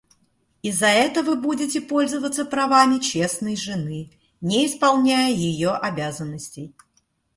И за это вы будете пользоваться правами честной жены, не исполняя ее обязанностей.